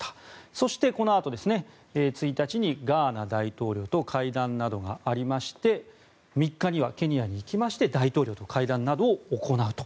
そして、このあと１日にガーナ大統領と会談などがありまして３日にはケニアに行きまして大統領と会談などを行うと。